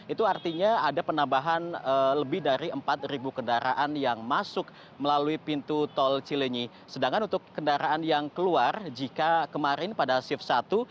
itu artinya ada penambahan lebih dari empat kendaraan yang masuk melalui pintu tol cilenyi sedangkan untuk kendaraan yang keluar jika kemarin pada shift satu